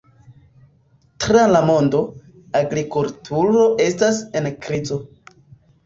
Tra la mondo, agrikulturo estas en krizo.